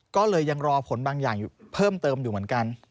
ก็เลยยังรอผลบางอย่างอยู่เพิ่มเติมอยู่เหมือนกัน